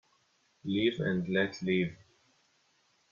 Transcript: Live and let live.